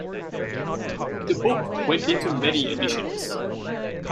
The book went into many editions.